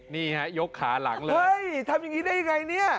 นี่ฮะยกขาหลังเลยเฮ้ยทำอย่างนี้ได้ยังไงเนี่ย